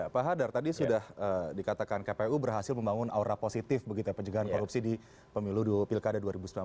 pak hadar tadi sudah dikatakan kpu berhasil membangun aura positif begitu ya penjagaan korupsi di pemilu pilkada dua ribu sembilan belas